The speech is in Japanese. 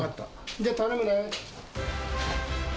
じゃあ頼むね。